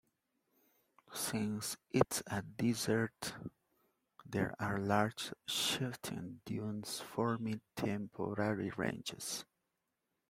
Since it is a desert, there are large shifting dunes forming temporary ranges.